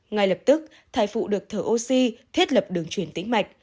ngay lập tức thai phụ được thở oxy thiết lập đường truyền tính mạch